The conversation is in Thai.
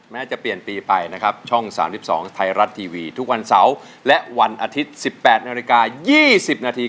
จะเปลี่ยนปีไปนะครับช่อง๓๒ไทยรัฐทีวีทุกวันเสาร์และวันอาทิตย์๑๘นาฬิกา๒๐นาที